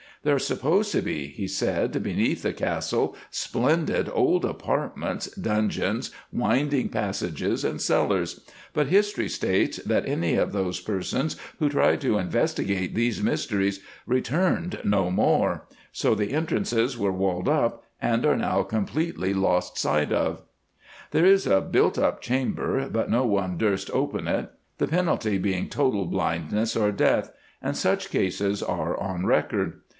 "There are supposed to be," he said, "beneath the Castle splendid old apartments, dungeons, winding passages, and cellars; but history states that any of those persons who tried to investigate these mysteries returned no more, so the entrances were walled up and are now completely lost sight of. "There is a built up chamber, but no one durst open it, the penalty being total blindness or death, and such cases are on record.